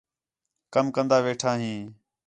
کم کندا ویٹھا ہیں